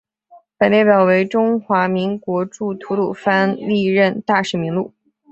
本列表为中华民国驻吐瓦鲁历任大使名录。